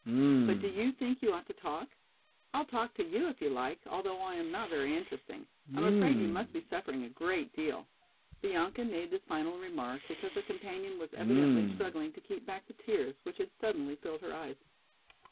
But do you think you ought to talk? I'll talk to you if you like, although I am not very interesting; I'm afraid you must be suffering a great deal." Bianca made this final remark because her companion was evidently struggling to keep back the tears which had suddenly filled her eyes.